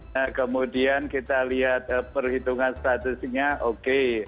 nah kemudian kita lihat perhitungan statusnya oke